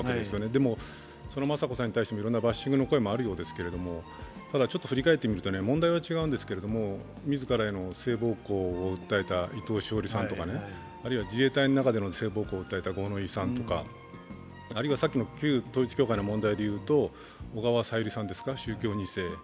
でもその雅子さんに対していろんなバッシングの声もあるようですけれども、ただ、ちょっと振り返ってみると問題は違うんですけれども、自らへの性暴行を訴えた伊藤詩織さんとかあるいは自衛隊の中での姓暴行を訴えた五野井さんとか旧統一教会の問題で言うと小川さゆりさんですか、宗教２世。